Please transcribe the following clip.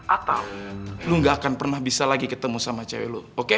atau lo gak akan pernah lagi ketemu sama cewe lo oke